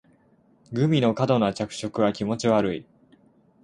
グミの過度な着色は気持ち悪い